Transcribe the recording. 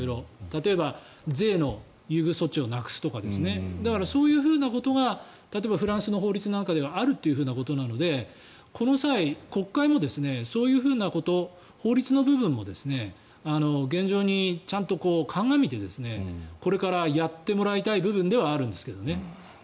例えば税の優遇処置をなくすとかだから、そういうことがフランスの法律なんかではあるというふうなことなのでこの際、国会もそういうふうなこと法律の部分も現状にちゃんとかんがみてこれからやってもらいたい部分ではあるんですけどね。